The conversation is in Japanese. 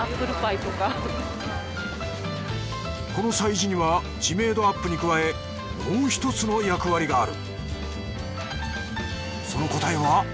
この催事には知名度アップに加えもうひとつの役割がある。